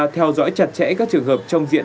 theo dõi chặt chẽ các trường hợp trong diện